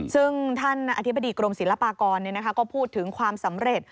ซึ่งท่านอธิบดีกรมศิลปากรก็พูดถึงความสำเร็จ